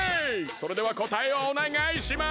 それではこたえをおねがいします！